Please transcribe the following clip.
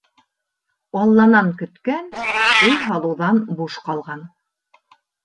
Алланан көткән өй һалыуҙан буш ҡалған